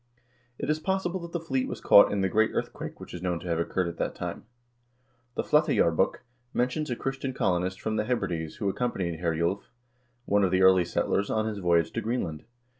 It is possible that the fleet was caught in the great earthquake which is known to have occurred at that time. The "Flateyjarbok" men tions a Christian colonist from the Hebrides who accompanied Herjulv, one of the early settlers, on his voyage to Greenland.